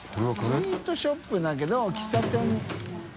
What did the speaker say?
「スイートショップ」だけど喫茶店斎藤）